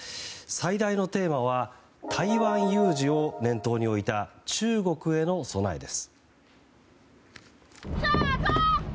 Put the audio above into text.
最大のテーマは台湾有事を念頭に置いた中国への備えです。